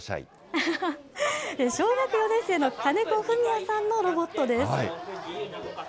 小学４年生の金子史哉さんのロボットです。